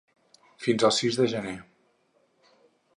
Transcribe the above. Fins al sis de gener.